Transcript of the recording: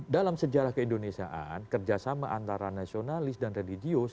dalam sejarah keindonesiaan kerjasama antara nasionalis dan religius